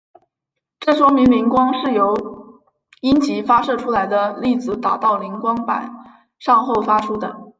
这说明磷光是由阴极发射出来的粒子打到磷光板上后发出的。